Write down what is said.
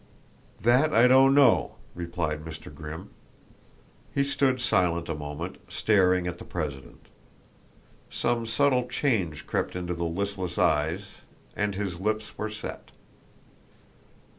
"That I don't know," replied Mr. Grimm. He stood silent a moment, staring at the president. Some subtle change crept into the listless eyes, and his lips were set.